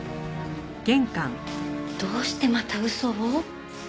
どうしてまた嘘を？